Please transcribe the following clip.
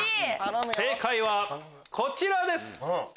正解はこちらです！